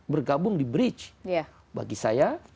bergabung di bridge bagi saya